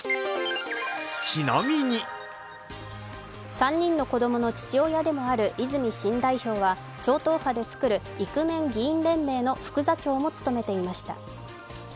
３人の子供の父親でもある泉新代表は超党派で作るイクメン議員連盟の副座長も務めていました。